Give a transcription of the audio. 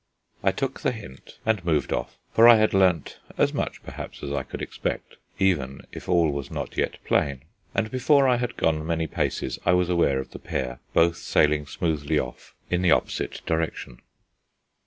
I took the hint and moved off, for I had learnt as much perhaps as I could expect, even if all was not yet plain; and before I had gone many paces I was aware of the pair both sailing smoothly off in the opposite direction.